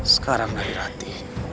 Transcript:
sekarang nari rati